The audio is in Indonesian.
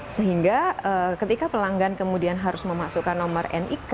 sehingga ketika pelanggan kemudian harus memasukkan nomor nik